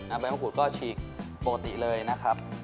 น้ำแบมพรุษก็ฉีกปกติเลยนะครับ